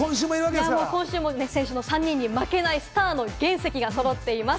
今週も先週の３人に負けないスターの原石が揃っています。